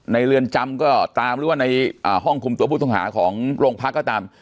ในเรือนจำก็ตามหรือว่าในอ่าห้องคุมตัวบุตรฐานหาของโรงพรรคก็ตาม